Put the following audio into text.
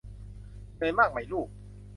เหนื่อยมากไหมลูก